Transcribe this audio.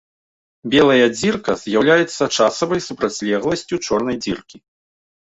Белая дзірка з'яўляецца часавай супрацьлегласцю чорнай дзіркі.